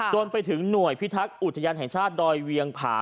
จนไปถึงหน่วยพิทักษ์อุทยานแห่งชาติดอยเวียงผา